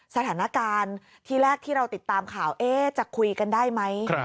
สถานการณ์ที่แรกที่เราติดตามข่าวจะคุยกันได้ไหม